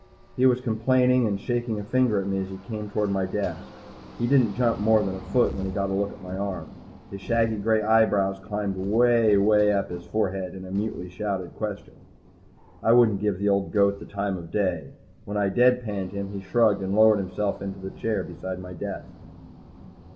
He was complaining and shaking a finger at me as he came toward my desk. He didn't jump more than a foot when he got a look at my arm. His shaggy gray eyebrows climbed way, way up his forehead in a mutely shouted question. I wouldn't give the old goat the time of day. When I dead panned him, he shrugged and lowered himself into the chair beside my desk.